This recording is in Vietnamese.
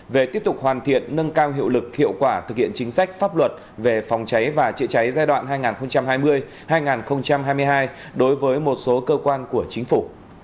về tiếp tục hoàn thiện nâng cao hiệu lực hiệu quả thực hiện chính sách pháp luật về phòng cháy và chữa cháy giai đoạn hai nghìn hai mươi hai nghìn hai mươi hai đối với một số cơ quan của chính phủ